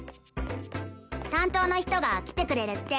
担当の人が来てくれるって。